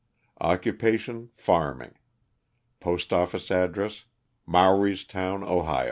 Occupation, farming. Postoffice address, Mowrys town, Ohio.